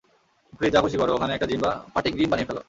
Please, যা খুশী করো, ওখানে একটা জিম বা পাটিং গ্রীন বানিয়ে ফেলো।